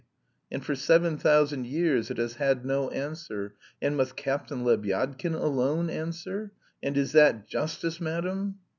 And for seven thousand years it has had no answer, and must Captain Lebyadkin alone answer? And is that justice, madam?"